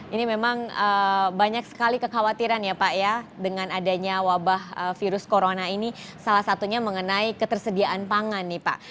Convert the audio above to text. ini memang banyak sekali kekhawatiran ya pak ya dengan adanya wabah virus corona ini salah satunya mengenai ketersediaan pangan nih pak